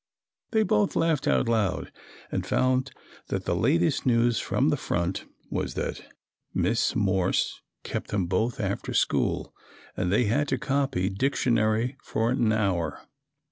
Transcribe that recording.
They both laughed out loud and found that "the latest news from the front" was that Miss Morse kept them both after school and they had to copy Dictionary for an hour.